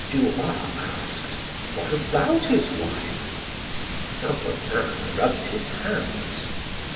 Duroy asked: "What about his wife?" Saint Potin rubbed his hands.